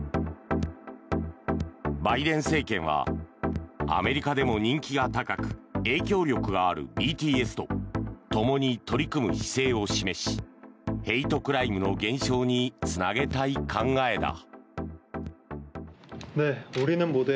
バイデン政権はアメリカでも人気が高く影響力があるＢＴＳとともに取り組む姿勢を示しヘイトクライムの減少につなげたい考えだ。